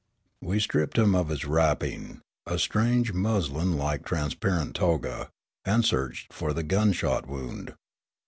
We stripped him of his wrapping, — a strange muslin like transparent toga, — and searched for the gunshot wound.